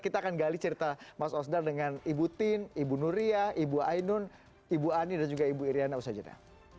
kita akan gali cerita mas osdar dengan ibu tin ibu nuria ibu ainun ibu ani dan juga ibu iryana usaha jeda